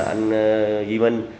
anh duy minh